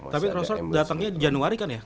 tapi rosort datangnya januari kan ya